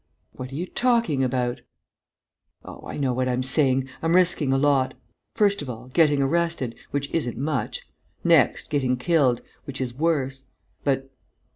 "What are you talking about?" "Oh, I know what I'm saying! I'm risking a lot. First of all, getting arrested, which isn't much. Next, getting killed, which is worse. But...."